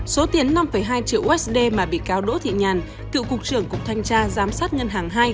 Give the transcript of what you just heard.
số tiền năm hai triệu usd mà bị cáo đỗ thị nhàn cựu cục trưởng cục thanh tra giám sát ngân hàng hai